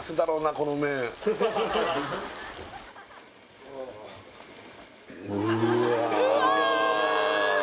この麺うわ